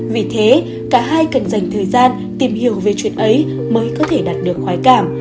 vì thế cả hai cần dành thời gian tìm hiểu về chuyện ấy mới có thể đạt được khói cảm